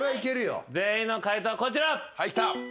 全員の解答はこちら。